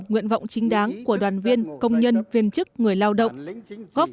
nguyện vọng chính đáng của đoàn viên công nhân viên chức người lao động